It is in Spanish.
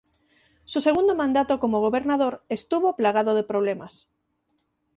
Su segundo mandato como gobernador estuvo plagado de problemas.